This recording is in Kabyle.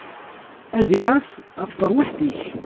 Ad iɛass ɣef terwiḥt-ik.